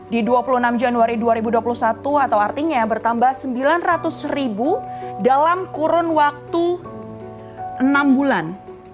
di dua puluh enam januari dua ribu dua puluh satu atau artinya bertambah sembilan ratus ribu dalam kurun waktu enam bulan